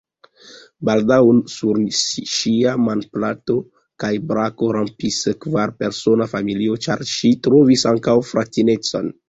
Baldaŭ sur ŝia manplato kaj brako rampis kvarpersona familio, ĉar ŝi trovis ankaŭ fratineton.